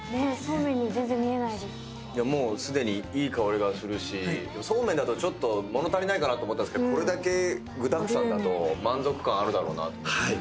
すでにいい香りがするしそうめんだとちょっと物足りないかなと思ったんですけどこれだけ具だくさんだと満足感あるだろうなと。